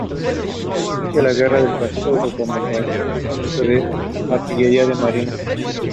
Tighe has forbidden all advertising and all sales techniques.